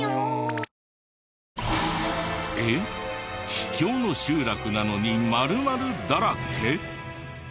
秘境の集落なのに○○だらけ！？